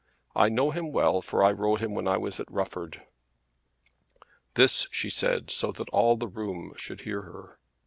I know him well for I rode him when I was at Rufford." This she said so that all the room should hear her.